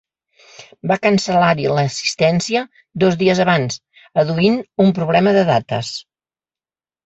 Va cancel·lar-hi l’assistència dos dies abans, adduint “un problema de dates”.